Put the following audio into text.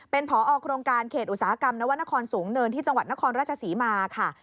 เป็นผอโครงการเขตอุตสาหกรรมนวรรณครสูงเนินที่จังหวัดนครราชศรีมาค่ะ